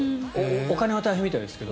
お金は大変みたいですけど。